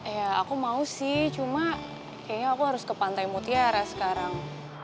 ya aku mau sih cuma kayaknya aku harus ke pantai mutiara sekarang